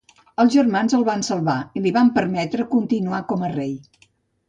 Els germans el van salvar i li van permetre continuar com a rei.